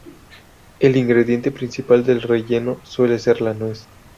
El ingrediente principal del relleno suele ser la nuez.